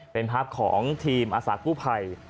เป็นภาพของทีมอาศาสน์กู้ไพร